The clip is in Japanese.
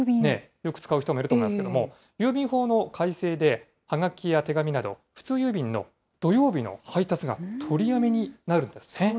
よく使う人もいると思いますけれども、郵便法の改正で、はがきや手紙など、普通郵便の土曜日の配達が取りやめになるんですね。